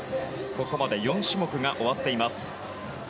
ここまで４種目が終わっています。